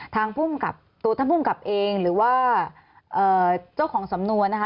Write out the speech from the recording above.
ทางภูมิกับตัวท่านภูมิกับเองหรือว่าเจ้าของสำนวนนะคะ